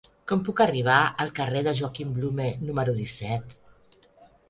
Com puc arribar al carrer de Joaquim Blume número disset?